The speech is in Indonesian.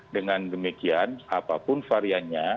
dengan demikian apapun variannya